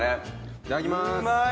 いただきまーす。